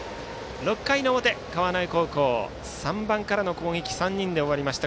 ６回の表、川之江高校３番からの攻撃が３人で終わりました。